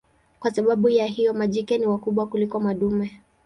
Kwa sababu ya hiyo majike ni wakubwa kuliko madume.